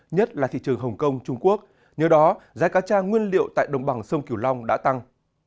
nhất là thị trường hồng kông trung quốc nhờ đó giá cá cha nguyên liệu tại đồng bằng sông kiều long đã tăng